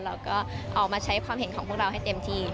แล้วก็ออกมาใช้ความเห็นของพวกเราให้เต็มที่